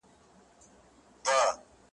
خو لا دي سره دي لاسونه دواړه ,